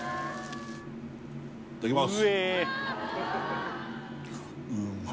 いただきます